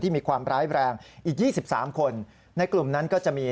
มีความร้ายแรงอีก๒๓คนในกลุ่มนั้นก็จะมี